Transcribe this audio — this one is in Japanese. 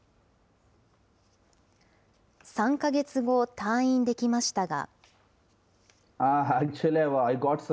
３か月後、退院できましたが。